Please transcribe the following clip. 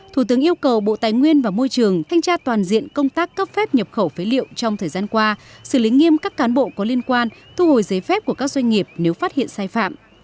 thủ tướng yêu cầu bộ tài nguyên và môi trường thanh tra toàn diện công tác cấp phép nhập khẩu phế liệu trong thời gian qua xử lý nghiêm các cán bộ có liên quan thu hồi giấy phép của các doanh nghiệp nếu phát hiện sai phạm